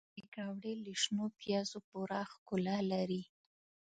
پکورې له شنو پیازو پوره ښکلا لري